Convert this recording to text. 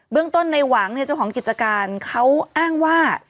เรื่องต้นในหวังเจ้าของกิจการเขาอ้างว่า